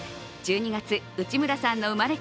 １２月、内村さんの生まれ